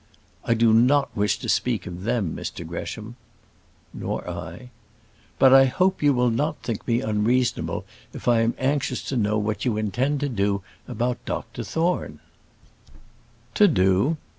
"I do not wish to speak of them, Mr Gresham." "Nor I." "But I hope you will not think me unreasonable if I am anxious to know what you intend to do about Dr Thorne." "To do?"